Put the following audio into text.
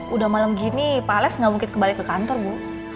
udah malam gini pak alex gak mungkin kembali ke kantor bu